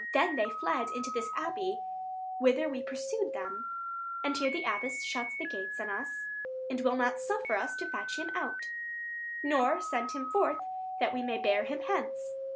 Then they fled Into this abbey, whither we pursued them; 155 And here the abbess shuts the gates on us, And will not suffer us to fetch him out, Nor send him forth, that we may bear him hence.